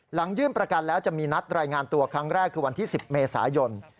หลังยื่นประกันแล้วจะมีนัดรายงานตัวครั้งแรกคือวันที่๑๐เมษายน